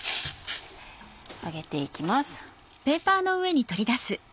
上げていきます。